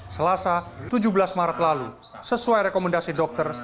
selasa tujuh belas maret lalu sesuai rekomendasi dokter